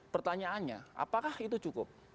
pertanyaannya apakah itu cukup